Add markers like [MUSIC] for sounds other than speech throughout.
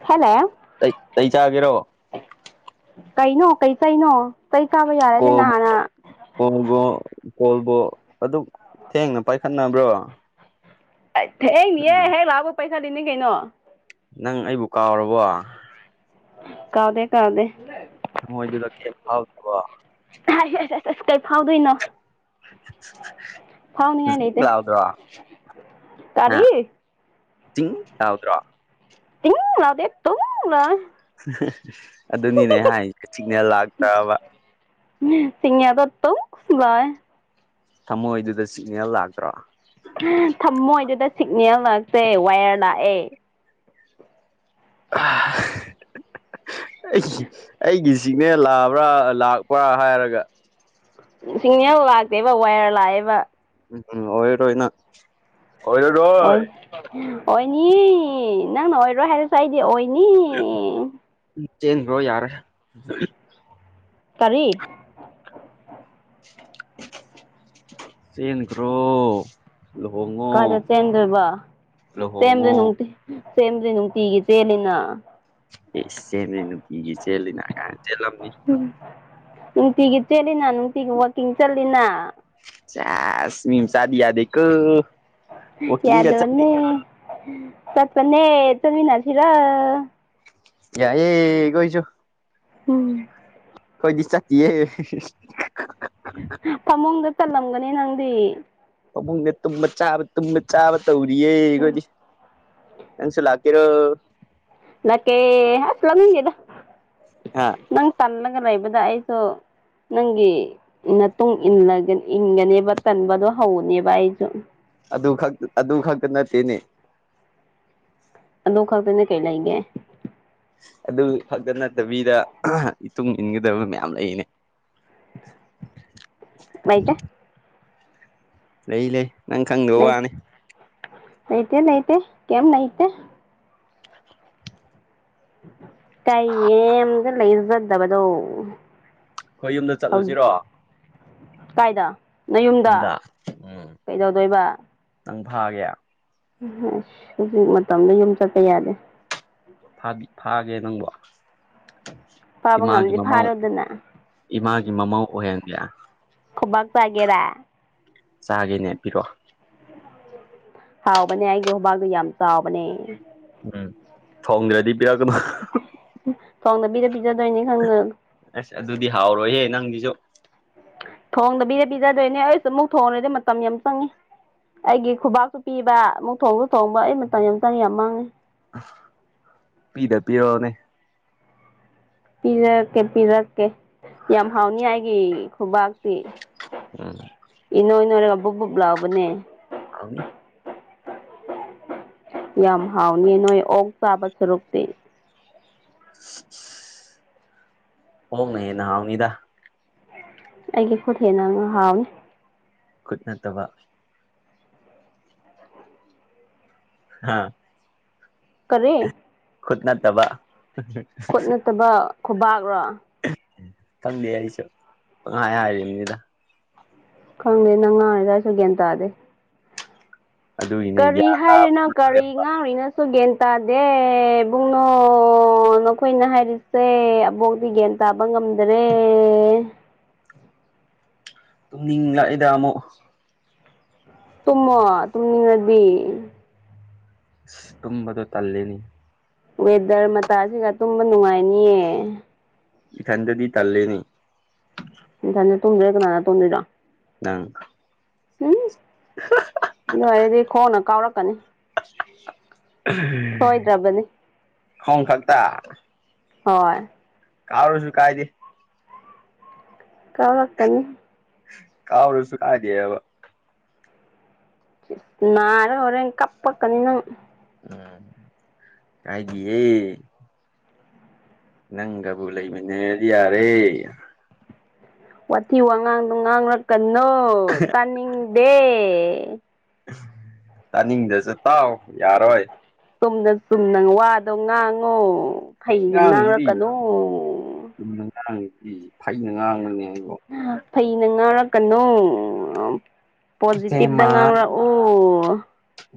ꯍꯦꯜꯂꯦ ꯑꯦ ꯀ ꯆꯥꯒꯦꯔꯣ ꯀꯩꯅꯣ ꯀꯩ ꯀꯩꯅꯣ ꯀꯩ ꯆꯥꯕ ꯌꯥꯔꯗꯤ ꯀꯣꯜ ꯅ ꯍꯥꯟꯅ ꯀꯣꯜꯕꯨ ꯀꯣꯜꯕꯨ ꯑꯗꯨꯝ ꯊꯦꯡꯅ ꯄꯥꯏꯈꯠꯅꯕ꯭ꯔꯣ ꯍꯦꯅꯤ ꯎꯝ ꯍꯦꯛ ꯂꯥꯛꯕ ꯄꯩꯁꯥꯗꯅꯤ ꯀꯩꯅꯣ ꯅꯪ ꯑꯩꯕꯨ ꯀꯥꯎꯔꯕꯣ ꯀꯗꯦ ꯀꯗ ꯊꯛ ꯑꯣꯏꯗꯗ ꯀ ꯐꯥꯎ ꯊ ꯑ ꯑꯁ ꯑꯁ ꯀꯩ ꯐꯥꯎꯗꯣꯏꯅꯣ ꯐꯥꯎꯅꯤꯡꯉꯥꯏ ꯂꯩꯇꯦ [UNINTELLIGIBLE] ꯥꯎꯗ꯭ꯔꯣ ꯑ ꯀꯔꯤ ꯖꯤꯡ ꯌꯥꯎꯗ꯭ꯔꯣ ꯊ ꯑꯗꯦ ꯇꯨꯡꯅ ꯑꯗꯨꯅꯤꯅꯦ ꯍꯥꯏ ꯀꯆꯤꯛꯅꯦ ꯂꯥꯛꯇ꯭ꯔꯕ ꯁꯤꯉꯗꯠꯇꯝꯚꯥꯏ ꯊꯃꯣꯏꯗꯨꯗ ꯁꯤꯒꯅꯦꯜ ꯂꯥꯛꯇ꯭ꯔꯣ ꯁꯤꯒꯅꯦꯜ ꯂꯥꯛꯁꯦ ꯋꯥꯏꯌꯔ ꯂꯥꯛꯑꯦ ꯑ ꯑꯩꯒꯤ ꯁꯤꯒꯅꯦꯜ ꯂꯥꯛꯑꯕ꯭ꯔꯥ ꯂꯥꯛꯄ꯭ꯔꯥ ꯍꯥꯏꯔꯒ ꯁꯤꯒꯅꯦꯜ ꯂꯥꯛꯇꯦꯕ ꯋꯥꯏꯌꯔ ꯂꯥꯛꯑꯦꯕ ꯎꯝ ꯑꯣꯔꯅ ꯍ ꯑꯣꯏꯅꯤ ꯅꯪꯅ ꯑꯣꯏꯔꯣꯏ ꯍꯥꯏꯔꯁꯨ ꯑꯩꯗꯤ ꯑꯣꯏꯅꯤ ꯆꯦꯟ ꯈꯔꯣ ꯌꯥꯔꯦ ꯀꯥꯔꯤ ꯆꯦꯟ ꯈꯔꯣ꯫ ꯀꯥꯏ ꯗ ꯆꯦꯟꯗꯣꯏꯕ ꯂꯨꯍꯣꯡꯉꯣ ꯆꯦꯟꯗꯣꯏ ꯅꯨꯡꯇꯤ ꯁꯦꯝꯗ꯭ꯔꯤ ꯅꯨꯡꯇꯤꯒꯤ ꯆꯦꯜꯂꯤꯅ ꯑꯦ ꯆꯦꯜꯂꯤ ꯅꯨꯡꯇꯤꯒꯤ ꯆꯦꯜꯂꯤꯅ ꯀꯥꯏ ꯆ‌ꯦꯜꯂꯝꯅꯤ ꯅꯨꯡꯇꯤꯒꯤ ꯆꯦꯂꯤꯅ ꯅꯨꯡꯇꯤꯒꯤ ꯋꯥꯛꯀꯤꯡ ꯆꯠꯂꯤꯅ ꯆꯁ ꯃꯤ ꯃꯆꯗꯤ ꯌꯥꯗ‌ꯦ ꯀ‌ꯣ ꯌꯥꯗ ꯋꯥꯅꯤ ꯇꯠꯄꯅꯦ ꯇꯨꯃꯤꯟꯅꯥꯁꯤꯔ‌ꯣ ꯌꯥꯌꯦ ꯀꯣꯏ ꯁꯨ ꯎꯝ ꯈ‌ꯣꯏꯗꯤ ꯆꯠꯇꯤꯌꯦ ꯅꯦ ꯅꯪꯗꯤ ꯄꯕꯨꯡꯅ ꯇꯨꯝꯕ ꯆꯥꯕ ꯇꯨꯝꯕ ꯆꯥꯕ ꯇꯧꯔꯤꯌꯦ ꯑꯩꯈꯣꯏꯗꯤ ꯅꯪꯁꯨ ꯂꯥꯛꯀꯤꯔꯣ ꯂꯥꯛꯀꯦ ꯑꯁ ꯂꯥꯛꯅꯤꯡ ꯗꯦꯗ ꯍꯥ ꯅꯪ ꯇꯟꯅ ꯉꯏ ꯂꯩꯕꯗ ꯑꯩꯁꯨ ꯅꯪꯒꯤ ꯃꯇꯨꯡ ꯏꯟ ꯏꯟꯒꯅꯦꯕ ꯇꯟꯕꯗꯣ ꯍꯧꯅꯦꯕ ꯑꯩꯁꯨ ꯑꯗꯨ ꯈꯛ ꯑꯗꯨ ꯈꯛꯇ ꯅꯠꯇꯦꯅꯦ ꯑꯗꯣ ꯈꯛ ꯇꯅꯦ ꯀꯩ ꯂꯩꯒꯦ ꯑꯗꯨ ꯈꯛꯇ ꯅꯠꯇꯕꯤꯗ ꯏꯇꯨꯡ ꯏꯟꯒꯗꯕ ꯃꯌꯥꯝ ꯂꯩꯅꯦ [UNINTELLIGIBLE] ꯃꯩꯇ ꯂꯩ ꯂꯩ ꯅꯪ ꯈꯪꯗꯕ ꯂꯩ ꯋꯥꯅꯤ ꯂꯩꯇꯦ ꯂꯩꯇꯦ ꯀꯩꯝ ꯂꯩꯇꯦ ꯇꯥꯏꯌꯦꯗ ꯂꯩꯖꯗꯕꯗ ꯑꯩꯈꯣꯏ ꯌꯨꯝꯗ ꯆꯠꯂꯨꯁꯤꯔꯣ ꯀꯥꯏꯗ ꯅꯌꯨꯝꯗ ꯈꯨꯟꯗ ꯀꯩꯗꯧꯗꯣꯏꯕ ꯅꯪ ꯐꯥꯒꯦ ꯑꯁ ꯍꯧꯖꯤꯛ ꯃꯇꯝꯗ ꯌꯨꯝ ꯆꯠꯄ ꯌꯥꯗꯦ ꯐꯥꯒꯦ ꯅꯪꯕꯨ ꯐꯥꯕ ꯏꯃꯥꯒꯤ ꯉꯝꯗꯤ ꯃꯃꯥꯎ ꯐꯥꯔꯣꯗꯅ ꯏꯃꯥꯒꯤ ꯃꯃꯧ ꯑꯣꯏꯍꯟꯒꯦ ꯈꯨꯨꯕꯥꯛ ꯆꯒꯦꯔ ꯆꯥꯒꯦꯅꯦ ꯄꯤꯔꯛꯑꯣ ꯍꯥꯎꯕꯅꯦ ꯑꯩꯒꯤ ꯍꯨꯕꯥꯛꯗꯣ ꯌꯥꯝ ꯆꯥꯎꯕꯅꯦ ꯎꯝ ꯊꯣꯡꯗ꯭ꯔꯗꯤ ꯄꯤꯔꯛ ꯀꯅ‌ꯣ ꯊ‌ꯣꯡꯗꯕꯤꯗ ꯑꯁ ꯑꯗꯨꯗꯤ ꯍꯥꯎꯔꯣꯏꯍꯦ ꯅꯪꯒꯤꯁꯨ ꯊꯣꯡꯗꯕꯤꯗ ꯄꯤꯖꯗꯣꯏꯅꯦ ꯑꯩꯁꯨ ꯑꯃꯨꯛ ꯊꯣꯡꯉꯔꯗꯤ ꯃꯇꯝ ꯌꯥꯝ ꯆꯪꯉꯤ ꯑꯩꯒꯤ ꯈꯨꯕꯥꯛꯇ ꯄꯤꯕ ꯑꯃꯨꯛ ꯊꯣꯡꯁꯨ ꯊꯣꯡꯕ ꯑꯩ ꯃꯇꯝ ꯌꯥꯝ ꯆꯪꯉꯤ ꯌꯥꯝ ꯃꯥꯡꯉꯦ ꯄꯤꯗ ꯄꯤꯔ ꯎꯅꯦ ꯄꯤꯔꯛꯀꯦ ꯄꯤꯔꯛꯀꯦ ꯌꯥꯝ ꯍꯥꯎꯅꯤ ꯑꯩꯒꯤ ꯈꯨꯕꯥꯛꯇꯤ ꯎꯝ ꯔꯒꯕꯨ ꯕꯨꯞ ꯂꯥꯎꯕꯅꯦ ꯍꯥꯎꯅꯤ ꯌꯥꯝ ꯍꯥꯎꯅꯤ ꯅꯣꯏ ꯑꯣꯛ ꯆꯥꯕ ꯁꯔꯨꯛꯇꯛꯇꯤ ꯑꯣꯛꯅꯥ ꯍꯦꯟꯅꯥ ꯍꯥꯎꯅꯤꯗ ꯑꯩꯒꯤ ꯈꯨꯠ ꯍꯦꯟꯅ ꯍꯥꯎꯏ ꯈꯨꯠ ꯅꯠꯇꯕ ꯍꯥꯥ ꯀꯔꯤ ꯈꯨꯠꯅꯠꯇꯕ ꯈꯨꯠ ꯅꯠꯇꯕ ꯈꯨꯕꯥꯛꯔꯣ ꯈꯪꯗꯦ ꯑꯩꯁꯨ ꯄꯪꯍꯥꯏ ꯍꯥꯏꯔꯤꯕꯅꯤꯗ ꯈꯪꯗꯦ ꯅꯪ ꯉꯥꯡꯔꯤꯗꫭꯑꯩꯁꯨ ꯒꯦꯟ ꯇꯥꯗꯦ ꯑꯗꯨꯒꯤꯅꯦ ꯀꯔꯤ ꯍꯥꯏꯔꯤꯅꯣ ꯌꯥꯗ꯭ꯔꯦ ꯀꯔꯤ ꯉꯥꯡꯔꯤꯅꯣ ꯁꯨ ꯒ꯭ꯌꯥꯟ ꯇꯥꯗꯦ ꯏꯕꯨꯡꯅꯣ ꯅꯈꯣꯏꯅ ꯍꯥꯏꯔꯤꯁꯦ ꯑꯕꯣꯛꯗꯤ ꯒꯦꯟ ꯇꯥꯕ ꯉꯝꯗꯔꯦ ꯇꯨꯝꯅꯤꯡ ꯂꯥꯛꯏꯗ ꯑꯃꯨꯛ ꯇꯨꯝꯃꯣ ꯇꯨꯝꯅꯤꯡꯉꯗꯤ ꯑꯁ ꯇꯨꯝꯕꯗꯣ ꯇꯜꯂꯤꯅꯤ ꯋꯦꯗꫪ ꯃꯇꯥꯁꯤꯒ ꯇꯨꯝꯕ ꯅꯨꯡꯉꯥꯏꯅꯤꯌꯦ ꯏꯊꯟꯗꯗꯤ ꯇꯜꯂꯦꯅꯤ ꯅꯊꯟ ꯇꯨꯝꯗ꯭ꯔꯗꯤ ꯀꯅꯥꯒ ꯇꯨꯝꯗꫭꯏꯅꫭ ꯅꯪ ꯎꯝ ꯑꯗꯨ ꯑꯣꯏꯔꯗꯤ ꯈꯣꯡꯅ ꯀꯥꯎꯔꯛꯀꯅꯤ ꯁꫭꯏꯗ꯭ꯔꯕꯅꯤ ꯈꫭꯡ ꯈꯛꯇ ꯍꯣꯏ ꯀꯥꯥꯎꯔꯁꯨ ꯀꯥꯏꯗꯦ ꯀꯥꯎꯔꯛꯀꯅꯤ ꯀꯥꯎꯔꯁꯨꯨ ꯀꯥꯏꯗꯦ ꯑꯕ ꯅꯥꯔ ꯍꫭꯔꯦꯟ ꯀꯞꯄꯛꯀꯅꯤ ꯅꯪ ꯎꯝ ꯀꯥꯏꯗꯤꯌꯦ ꯅꯪꯒꯕꯨ ꯂꯩꯃꯤꯟꯅꯔꯗꯤ ꯌꯥꯔꯦ ꯋꯥꯊꯤ ꯋꯥꯉꯥꯡꯗꯣ ꯉꯥꯡꯔꯛꯀꯅꯣ ꯇꯥꯅꯤꯡꯗꯦ ꯇꯥꯅꯤꯡꯗ꯭ꯔꯁꯨ ꯇꯥꯎ ꯌꯥꯔꯣꯏ ꯆꯨꯝꯅ ꯆꯨꯝꯅ ꯋꯥꯗꯣ ꯉꯥꯡꯉꯣ ꯐꯩꯅ ꯑꯉꯥꯡꯁꯤꯗꯤ ꯉꯥꯡꯔꯛꯀꯅꯨ ꯏ ꯐꯩꯅ ꯉꯥꯡꯔꯅꯦ ꯐꯩꯅ ꯉꯥꯔꯛꯀꯅꯣ ꯄꯣꯖꯤꯇꯤꯚꯇ ꯏꯆꯦꯃ ꯉꯥꯡꯂꯛꯎ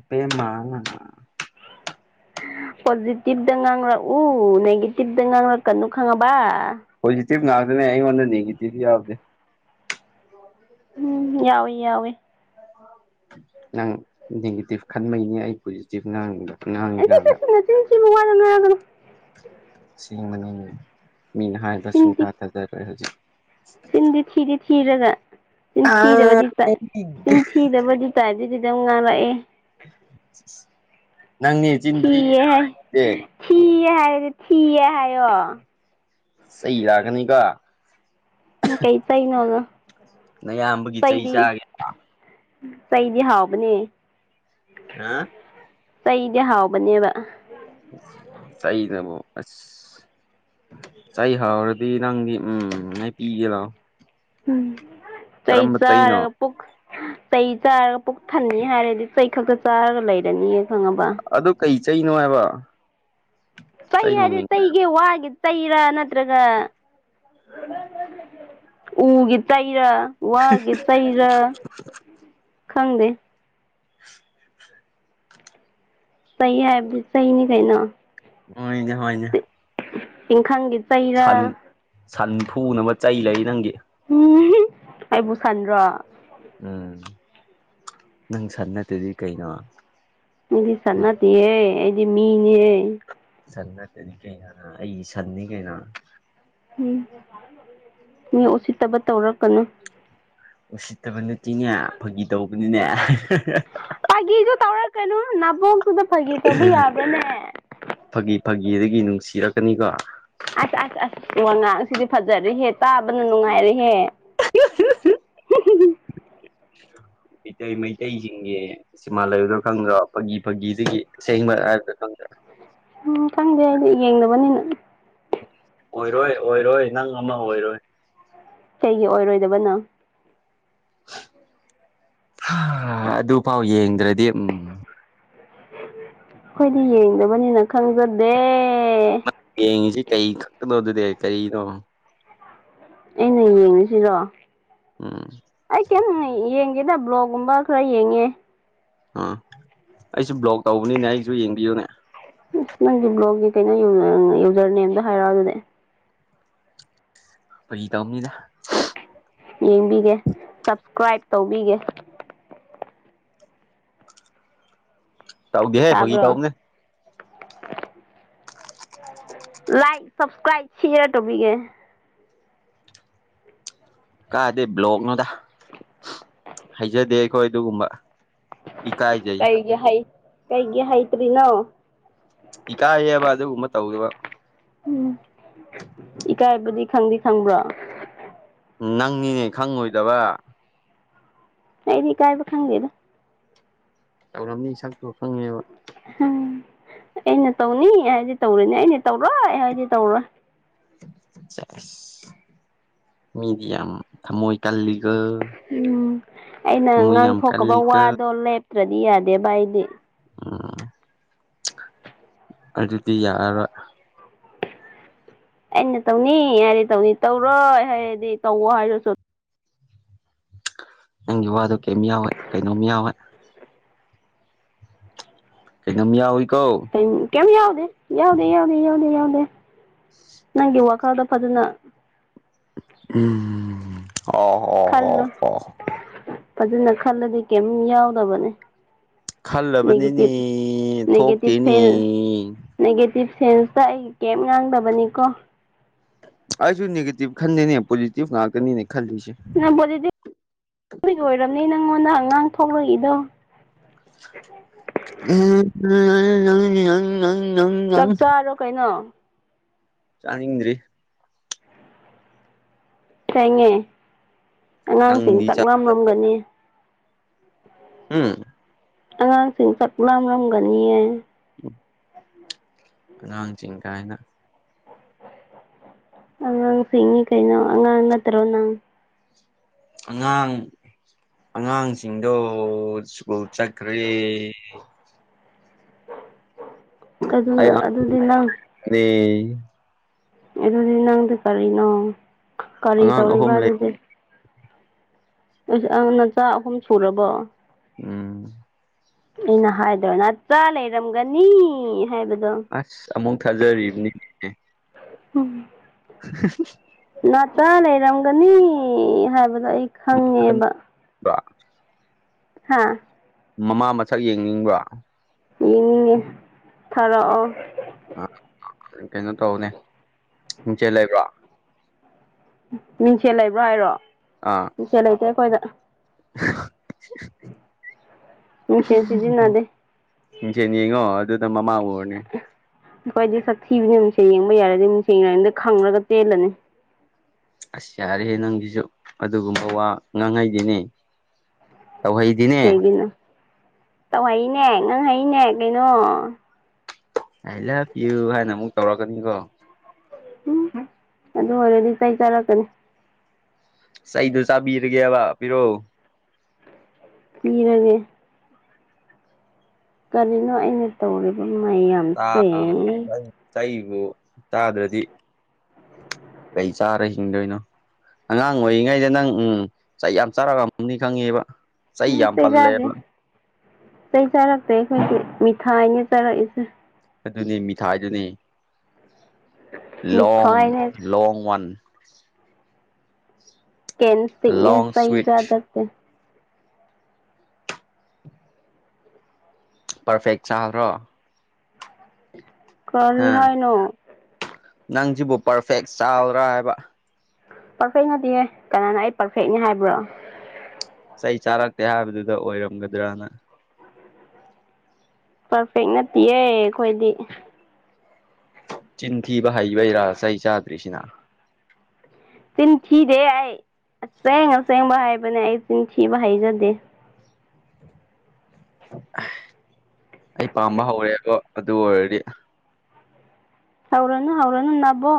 [UNINTELLIGIBLE] ꯄꯣꯖꯤꯇꯤꯚꯇ ꯉꯥꯡꯔꯛꯎ ꯅꯦꯒꯦꯇꯤꯚꯇ ꯉꯥꯡꯔꯛꯀꯅꯨ ꯈꯪꯉꯕ ꯄꫭꯖꯤꯇꯤꯕ ꯉꯥꯛꯇꯅꯦ ꯑꯩꯉꯣꯟꯗ ꯅꯦꯒꯦꯇꯤꯕ ꯌꯥꯎꯗꯦ ꯎꯝ ꯌꯥꯎꯋꯦ ꯌꯥꯎꯋꯦ ꯅꯪ ꯅꯦꯒꯦꯇꯤꯚ ꯈꯟꯕꯩꯅꯤ ꯑꯩ ꯄꯣꯖꯤꯇꯤꯚ ꯉꯥꯡꯉꯤꯗꫭ ꯉꯥꯡꯉꯤꯀꯥꯗ [UNINTELLIGIBLE] ꯑꯁꯦꯡꯕꯃꯅꯤꯅꯦ ꯃꯤꯅ ꯍꯥꯏꯕꯗ ꯆꯤꯟ ꯊꯤ ꯁꯨꯡꯊꯥ ꯇꯥꯖꯗ꯭ꯔꯦꯏ ꯍꯧꯖꯤꯛ ꯆꯤꯟꯗꯤ ꯊꯤꯗꯤ ꯊꯤꯔꯒ ꯆꯤꯟ ꯑꯥ ꯊꯤꯗꯕꯗꯤ ꯇꯥꯏ ꯆꯤꯟ ꯊꯤꯗꯕꯗꯤ ꯇꯥꯏꯗꯗꯤ ꯑꯗꯨꯝ ꯉꯥꯡꯂꯛꯑꯦ [INAUDIBLE] ꯆꯤꯟ ꯊꯤꯌꯦ ꯍꯥꯏ ꯊꯤꯔꯤꯁꯦ ꯊꯤꯌꯦ ꯍꯥꯏ ꯊꯤꯌꯦ ꯍꯥꯏꯌꯣ ꯆꯩ ꯂꯥꯛꯀꯅꯤ ꯀꫭ ꯎꯝ ꯀꯩ ꯆꯩꯅꫭ ꯅꯌꯥꯝꯕꯒꯤ ꯆꯩ ꯆꯥꯒꯦ ꯆꯩꯗꯤ ꯍꯥꯎꯕꯅꯦ ꯍꯥ ꯆꯩꯗꯤ ꯍꯥꯎꯕꯅꯦꯕ ꯆꯩꯅꯕꯨ ꯑꯁ ꯆꯩ ꯍꯥꯎꯔꯗꯤ ꯅꯪꯗꯤ ꯎꯝ ꯃ ꯄꯤꯒꯦ ꯂꯥꯎ ꯎꯝ ꯆꯩꯩ ꯀꯔꯝꯕ ꯆꯩꯅꯣ ꯆꯥꯔꯒ ꯄꯨꯛ ꯆꯩ ꯆꯥꯔꯒ ꯄꯨꯛ ꯊꯟꯅꯤ ꯍꯥꯏꯔꯗꯤ ꯆꯩ ꯈꯛꯇ ꯆꯥꯔꯒ ꯂꯩꯔꯅꯤꯌꯦ ꯈꯪꯉꯕ ꯆꯩꯅꯣꯉ ꯍꯥꯏꯕ ꯇꯩ ꯆꯩ ꯑꯔꯦ ꯃꯃꯤꯡ ꯇꯩꯒ ꯋꯥꯦ ꯇꯩꯔ ꯅꯠꯇ꯭ꯔꯒ ꯎꯒꯤ ꯇ ꯆꯩꯔꯥ ꯋꯥꯒꯦ ꯆꯩꯔꯥ ꯈꯪꯗꯦ [INAUDIBLE] ꯁ ꯍꯥꯏꯗꯤ ꯁꯍꯤ ꯅ ꯀꯩꯅꯅ ꯑꯣꯏꯣꯏꯅꯦ ꯍꯅꯦ ꯇꯪꯈꯪꯒꯤ ꯆꯩꯔ ꯁꯟ ꯊꯨꯅꯕ ꯆꯩ ꯂꯩ ꯅꯪꯒꯤ ꯎ ꯑꯩꯕꯨ ꯁꯟꯗ꯭ꯔꯣ ꯎꯝ ꯅꯪ ꯁ ꯅꯠꯇꯗꯤ ꯀꯩꯅꯣ ꯑꯩꯗꯤ ꯎꯝ ꯁꯟꯅꯇꯤ ꯍꯦ ꯑꯩꯗꯤ ꯃꯤꯅꯤ ꯍꯦ ꯁꯟ ꯅꯠꯇꯗꯤ ꯀꯩꯅꯅ ꯑꯩ ꯁꯟꯅꯤ ꯀꯩꯅꯩꯅꯣ ꯎꯝ ꯃꯤ ꯎꯁꯤꯠꯇꯕ ꯇꯧꯔꯛꯀꯅꯨ ꯎꯁꯤꯠꯇꯕ ꯅꯠꯇꯦꯅꯦ ꯐꯥꯒꯤ ꯇꯧꯕꯅꯤꯅꯦ ꯐꯥꯒꯤꯦꯗꯨ ꯇꯧꯔꯛꯀꯅꯨ ꯅꯥꯕꯣꯛꯇꯨꯗ ꯐꯥꯒꯤꯦ ꯇꯧꯕ ꯌꯥꯕꯅꯦ ꯐꯥꯒꯤ ꯐꯥꯒꯤꯗꯒꯤ ꯅꯨꯡꯁꯤꯔꯛꯀꯅꯤꯀꯣ ꯑꯁ ꯑꯁ ꯑꯁ ꯋꯥ ꯉꯥꯡꯁꯤꯗꯤ ꯐꯖꯔꯤꯍꯦ ꯇꯥꯕꯅ ꯅꯨꯡꯉꯥꯏꯔꯤꯍꯦ ꯎ ꯃꯩꯇꯩ ꯃꯩꯇꯩꯁꯤꯡꯒꯤ ꯁꯤꯃꯥ ꯂꯩꯗꯥ ꯈꯪꯗ꯭ꯔ ꯐꯥꯒꯤ ꯐꯥꯒꯤ ꯁꯤꯒꯤ ꯁꯦꯡ ꯃꯔ ꯍꯥꯏꯕꯗ ꯈꯪꯗ꯭ꯔ ꯆꯪꯗꯦ ꯍꯥꯏꯗꯤ ꯌꯦꯡꯅꯕꯅꯤꯅ ꯑꯣꯏꯔꯣꯏ ꯑꯣꯏꯔꯣꯏ ꯅꯪ ꯑꯃ ꯑꯣꯏꯔꯣꯏ ꯒꯤ ꯑꯣꯏꯔꯣꯏꯗꯕꯅ ꯑꯗꯨꯐꯥꯎ ꯌꯦꯡꯗ꯭ꯔꯗꯤ ꯎꯝ ꯑꯩꯈꯣꯏꯗꯤ ꯌꯦꯡꯗꯕꯅꯤꯅ ꯈꯪꯖꯗꯦ ꯌꯦꯡꯉꯤꯁꯤ ꯀꯩ ꯈꯛꯇꯅꯣ ꯑꯗꯨꯗꯤ ꯀꯔꯤꯅꯣ ꯑꯩꯅ ꯌꯦꯡꯉꯤꯁꯤꯔꯣ ꯎꯝ ꯀꯩꯅꯝ ꯌꯦꯡꯒꯦꯗ ꯕ꯭ꯂꯣꯛꯒꯨꯝꯕ ꯈꯔ ꯌꯦꯡꯉꯦ ꯑꯥ ꯑꯩꯁꯨ ꯕ꯭ꯂꯣꯛ ꯇꯧꯕꯅꯤꯅꯦ ꯑꯩꯁꯨ ꯌꯦꯡꯕꯤꯌꯨꯅꯦ ꯅꯪꯒꯤ ꯕ꯭ꯂꯣꯛꯒꯤ ꯀꯩꯅꯣ ꯌꯨꯖꯔ ꯅ ꯑꯗ ꯍꯥꯏꯔꯛꯑꯣ ꯑꯗꯨꯗꯤ ꯐꯔꯤ ꯇꯧꯝꯅꯤꯅ ꯌꯦꯡꯕꯤꯒꯦ ꯁꯞꯁꯀ꯭ꯔꯥꯏꯞ ꯇꯧꯕꯤꯒꯦ ꯇꯧꯒꯦ ꯍꯦ ꯐꯒꯤꯤ ꯇꯥꯕ꯭ꯔꯣ ꯇꯧꯒꯦ ꯂꯥꯏꯛ ꯁꯞꯁꯀ꯭ꯔꯥꯏꯕ ꯁꯦꯌꯥꯔ ꯇꯧꯕꯤꯒꯦ ꯀꯥꯗꯦ ꯕ꯭ꯂꯣꯛꯅꯣꯗ ꯍꯩꯖꯗꯦ ꯑꯩꯈꯣꯏ ꯑꯗꯨꯒꯨꯝꯕ ꯏꯀꯥꯏꯖꯩ ꯀꯩꯒꯤ ꯍꯩ ꯀꯩꯒꯤ ꯍꯩꯇꯔꯤ ꯅꯣ ꯏꯀꯥꯏ ꯍꯦꯑꯕ ꯑꯗꯨꯒꯨꯝꯕ ꯇꯧꯕ ꯎꯝ ꯏꯀꯥꯏꯕꯗꯤ ꯈꯪꯗꯤ ꯈꯪꯕ꯭ꯔꯣ ꯅꯪꯅꯤꯅꯦ ꯈꯪꯉꯣꯏꯗꯕ ꯑꯩꯗꯤ ꯀꯥꯏꯕ ꯈꯪꯒꯦꯗ ꯀ ꯑꯝꯅꯤ ꯁꯪꯇ ꯎꯝ ꯑꯩꯅ ꯇꯧꯅꯤ ꯑꯩ ꯍꯥꯏꯗꯤ ꯇꯧꯔꯦꯅꯦ ꯑꯩꯅ ꯇꯧꯔꯣ ꯑꯩ ꯍꯥꯏꯗꯤ ꯇꯧꯔꯣꯏ ꯆꯁ ꯃꯤꯗꯤ ꯌꯥꯝ ꯊꯃꯣꯏ ꯀꯜꯂꯤ ꯎꯝ ꯑꯩꯅ ꯊꯃꯣꯏ ꯌꯥꯝ ꯉꯥꯡꯊꯣꯛꯀꯕ ꯀꯜꯂꯤꯒ ꯋꯥꯗꯣ ꯂꯦꯞꯇ꯭ꯔꯗꯤ ꯌꯥꯗꯦꯕ ꯑꯩꯗꯤ ꯑꯣ ꯑꯗꯨꯗꯤ ꯌꯥꯔ ꯔꯣꯏ ꯑꯩꯅ ꯇꯧꯅꯤ ꯌꯥꯗꯤ ꯇꯧꯅꯤ ꯇꯧꯔꯣꯏ ꯍꯥꯏꯔꯗꯤ ꯇꯧꯋꯣ ꯍꯥꯏꯔꯁꯨ ꯅꯪꯒꯤ ꯋꯥꯗꯣ ꯀꯩꯝ ꯌꯥꯎꯋꯦ ꯀꯩꯅꯣꯝ ꯌꯥꯎꯋꯦ ꯀꯩꯅꯣꯝ ꯌꯥꯎꯔꯤ ꯀꯤ ꯀꯦꯝ ꯌꯥꯎꯗꯦ ꯌꯥꯎꯗꯦ ꯌꯥꯎꯗꯦ ꯌꯥꯎꯗꯦ ꯌꯥ ꯅꯪꯒꯤ ꯋꯥꯈꯜꯗ ꯐꯖꯅ ꯎꯝ ꯑ ꯍꯣ ꯈꯜꯂꯣ ꯍ ꯐꯖꯅ ꯈꯜꯂꯗꯤ ꯀꯦꯝ ꯌꯥꯎꯗꯕꯅꯦ ꯈꯜꯂꯕꯅꯤꯅꯦ ꯅꯦꯒꯦꯇꯤꯚꯦ ꯊꯣꯛꯇꯦꯅꯦ ꯐꯔ꯭ꯦꯟꯗ ꯅꯦꯒꯦꯔꯤꯚꯦ ꯁꯦꯟꯁꯇ ꯑꯩ ꯀꯦꯕ ꯉꯥꯡꯗꯕꯅꯤꯀꯣ ꯑꯩꯁꯨ ꯅꯦꯒꯦꯇꯤꯚ ꯈꯟꯗꯦꯅꯦ ꯄꯣꯖꯤꯇꯤꯚ ꯂꯥꯛꯀꯅꯤꯅꯦ ꯅꯪꯕꯨꯗꯤ ꯑꯣꯏꯔꯝꯅꯤ ꯅꯪꯉꯣꯟꯗ ꯑꯉꯥꯡ ꯊꯣꯛꯂꯛꯏꯗꯣ ꯎꯪꯪꯪ ꯆꯥꯛ ꯆꯥꯔꯣ ꯀꯩꯅꯣ ꯆꯥꯅꯤꯡꯗ꯭ꯔꯤ ꯁꯦꯡꯉꯦ ꯑꯉꯥꯡꯁꯤꯡ ꯅꯪꯗꯤ ꯆꯥꯕꯗ ꯆꯥꯛꯂꯝꯂꯝꯒꯅꯤ ꯎꯝ ꯑꯉꯥꯡꯁꯤꯡ ꯆꯥꯛ ꯂꯥꯝꯂꯝꯒꯅꯤꯌꯦ ꯎꯝ ꯑꯉꯥꯡꯁꯤꯡ ꯀꯥꯏꯅ ꯑꯉꯥꯡꯁꯤꯡꯅꯤ ꯀꯩꯅꯣ ꯑꯉꯥꯡ ꯅꯠꯇ꯭ꯔꯣ ꯅꯪ ꯑꯉꯥꯡ ꯑꯉꯥꯡꯁꯤꯡꯗꯣ ꯁ꯭ꯀꯨꯜ ꯆꯠꯈ꯭ꯔꯦ ꯑꯗꯨꯅ ꯑꯩ ꯑꯗꯨꯗꯤ ꯅꯪ ꯑꯉꯥꯡꯅꯦ ꯑꯗꯨꯗꯤ ꯅꯪꯗꯤ ꯀꯔꯤꯅꯣ ꯀꯔꯤ ꯑꯉꯥꯡ ꯇꯧꯔꯤꯕ ꯑꯍꯨꯝ ꯂꯩ ꯑꯗꯨꯗꯤ ꯑꯁ ꯑ ꯅꯆꯥ ꯑꯍꯨꯝ ꯁꯨꯔꯕꯣ ꯎꯝ ꯑꯩꯅ ꯍꯥꯏꯗ꯭ꯔ ꯅꯆꯥ ꯂꯩꯔꯝꯒꯅꯤ ꯍꯥꯏꯕꯗꯨ ꯑꯁ ꯑꯃꯨꯛ ꯊꯥꯖꯔꯤꯕꯅꯤꯅꯦ ꯎꯝ ꯃꯆꯥ ꯂꯩꯔꯝꯒꯅꯤ ꯍꯥꯏꯕꯗꯨ ꯑꯗ ꯑꯩ ꯈꯪꯉꯦꯕ ꯍꯥꯥ ꯃꯃꯥ ꯃꯁꯛ ꯌꯦꯡꯅꯤꯡꯕ꯭ꯔ ꯌꯦꯡꯅꯤꯡꯉꯦ ꯊꯥꯔꯛꯑꯣ ꯑ ꯀꯩꯅꯣ ꯇꯧꯅꯦ ꯃꯤꯡꯁꯦꯜ ꯂꯩꯕꯔꯣ꯫ ꯃꯤꯡꯁꯦꯜ ꯂꯩꯕꯔꯣ꯫ ꯍꯥꯏꯔꯣ ꯑꯥ ꯃꯤꯡꯁꯦꯜ ꯂꯩꯇꯦ ꯑꯩꯈꯣꯏꯗ ꯃꯤꯡꯁꯦꯜ ꯁꯤꯖꯤꯟꯅꯗꯦ ꯃꯤꯡꯁꯦꯜ ꯌꯦꯉꯣ ꯑꯗꯨꯗ ꯃꯃꯥ ꯎꯔꯥꯅꯤ ꯈꯣꯏꯗꯤ ꯁꯥꯛꯊꯤꯕꯅꯦ ꯅꯨꯡꯁꯦꯜ ꯌꯦꯡꯕ ꯌꯥꯔꯗꯤ ꯅꯨꯡꯁ ꯌꯦꯡꯅꯗ ꯈꯪꯉꯒ ꯇꯦꯜꯂꯅꯤ ꯑꯁ ꯌꯥꯔꯦꯍꯦ ꯅꯪꯁꯤꯁꯨ ꯑꯗꯨꯒꯨꯝꯕ ꯋꯥ ꯉꯥꯡꯉꯩꯗꯦꯅꯦ ꯇꯧꯍꯩꯗꯦꯅꯦ ꯇꯧ ꯍꯩꯅꯦ ꯉꯪ ꯍꯥꯏꯩꯅꯦ ꯀꯩꯅꯣ ꯑꯏ ꯂꯕ ꯌꯨ ꯍꯥꯏꯅ ꯑꯃꯨꯛ ꯇꯧꯔꯛꯀꯅꯤꯀꯣ ꯎ ꯑꯗꯨ ꯑꯣꯏꯔꯗꯤ ꯆꯩ ꯆꯥꯔꯛꯀꯅꯤ ꯆꯩꯗꯨ ꯆꯥꯕꯤꯔꯒꯦꯕ ꯄꯤꯔꯣ ꯄꯤꯔꯒ ꯀꯔꯤꯅꯣ ꯑꯩꯅ ꯇꯧꯔꯤꯕ ꯃꯌꯥꯝꯁꯦ ꯄꯤꯔꯛꯑꯣ ꯆꯩꯕꯨ ꯆꯥꯗ꯭ꯔꯗꯤ ꯀꯩ ꯆꯥꯔ ꯍꯤꯡꯗꯣꯏꯅꯣ ꯑꯉꯥꯡ ꯑꯣꯏꯔꯤꯉꯩꯗ ꯅꯪ ꯎꯝ ꯆꯥꯛ ꯌꯥꯝ ꯆꯥꯔꯒ ꯑꯃ ꯈꯪꯉꯦꯕ ꯆꯩ ꯎꯝ ꯌꯥꯝ ꯀ ꯄꯜꯂꯦꯕ ꯆꯥꯗꯦꯩ ꯆꯥꯔꯛꯇꯦ ꯑꯩꯈꯣꯏ ꯊꯅꯦ ꯆꯔꯏꯁꯦ ꯑꯗꯨꯅꯤ ꯃꯤꯊꯥꯏꯗꯨꯅꯤ ꯂꯣꯡ ꯃꯤꯊꯥꯏꯅꯦ ꯂꯣꯡ ꯋꯥꯟ [UNINTELLIGIBLE] ꯂꯣꯡ ꯀꯇꯤꯅꯦꯁ ꯁ꯭ꯋꯤꯠ ꯆꯗ ꯄꯔꯐꯦꯛ ꯆꯥꯕ꯭ꯔꯣ ꯀꯔꯤ ꯍꯥ ꯍꯥꯏꯅꯣ ꯅꯪꯁꯤꯕꯨ ꯄꯔꯐꯦꯛ ꯆꯥꯎꯕ꯭ꯔꯥ ꯍꯥꯏꯕ ꯄꯔꯐꯦꯛꯅꯗꯤꯌꯦ ꯀꯅꯥꯅ ꯑꯩ ꯄꯥꯔꯐꯦꯛꯅꯤ ꯍꯥꯏꯕ꯭ꯔꯣ ꯆꯩ ꯆꯥꯔꯛꯇꯦ ꯍꯥꯏꯕꯗꯨꯗ ꯑꯣꯏꯔꯝꯒꯗ꯭ꯔꯅ ꯄꯔꯐꯦꯛ ꯅꯠꯇꯦꯌꯦ ꯑꯩꯈꯣꯏꯗꯤ ꯆꯤꯟꯊꯤꯕ ꯍꯩꯕꯩꯔꯥꯁ ꯑꯩ ꯆꯥꯗ꯭ꯔꯤꯁꯤꯅ ꯆꯤꯟꯊꯤꯗꯦ ꯑꯩ ꯑꯁꯦꯡ ꯑꯁꯦꯡꯕ ꯍꯥꯏꯕꯅꯦ ꯑꯩ ꯆꯤꯟꯊꯤꯕ ꯍꯩꯖꯗꯦ ꯑꯩ ꯄꯥꯝꯕ ꯍꯧꯔꯦꯕꯣ ꯑꯗꯨ ꯑꯣꯏꯔꯗꯤ ꯍꯥꯎꯔꯅ ꯍꯧꯥꯎꯔꯅ ꯅꯅꯥꯕꯣ